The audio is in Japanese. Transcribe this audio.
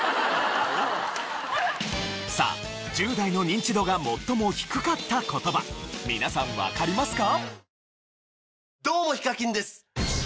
さあ１０代のニンチドが最も低かった言葉皆さんわかりますか？